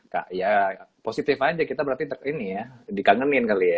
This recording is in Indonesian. kak ya positif aja kita berarti ini ya dikangenin kali ya